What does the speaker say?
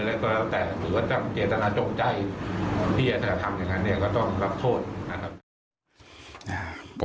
ก็แล้วแต่หรือว่าเจตนาจงใจที่จะทำอย่างนั้นเนี่ยก็ต้องรับโทษนะครับ